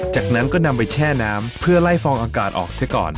จากนั้นก็นำไปแช่น้ำเพื่อไล่ฟองอากาศออกซะก่อน